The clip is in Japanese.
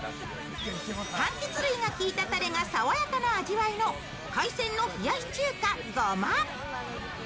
柑橘類がきいたタレが爽やかな味わいの海鮮の冷やし中華ごま。